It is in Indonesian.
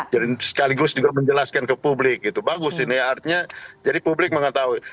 jadi sekaligus juga menjelaskan ke publik gitu bagus ini artinya jadi publik mengetahui